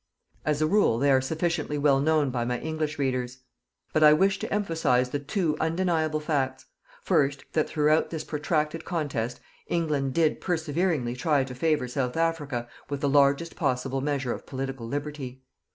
As a rule they are sufficiently well known by my English readers. But I wish to emphasize the two undeniable facts: first, that throughout this protracted contest, England did perseveringly try to favour South Africa with the largest possible measure of political liberty.